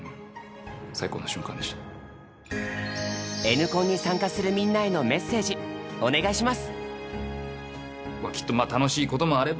「Ｎコン」に参加するみんなへのメッセージお願いします！